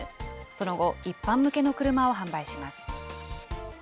その後、一般向けの車を販売しま